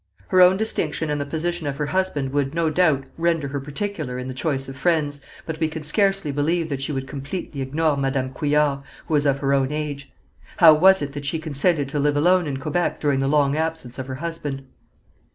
Her own distinction and the position of her husband would, no doubt, render her particular in the choice of friends, but we can scarcely believe that she would completely ignore Madame Couillard, who was of her own age. How was it that she consented to live alone in Quebec during the long absence of her husband?